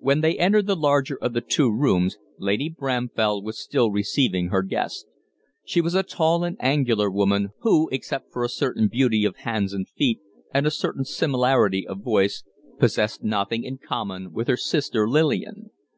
When they entered the larger of the two rooms Lady Bramfell was still receiving her guests. She was a tall and angular woman, who, except for a certain beauty of hands and feet and a certain similarity of voice, possessed nothing in common with her sister Lillian.